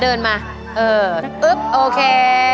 เอออึ๊บโอเค